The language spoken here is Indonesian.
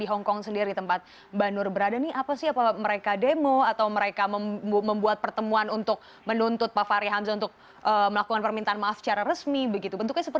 hongkong maupun oleh agensi dan